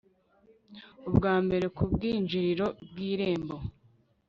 Ubwa mbere ku bwinjiriro bwirembo